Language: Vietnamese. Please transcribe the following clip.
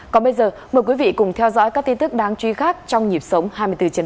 còn bây giờ mời quý vị cùng theo dõi các tin tức đáng truy khác trong nhịp sống hai mươi bốn h bảy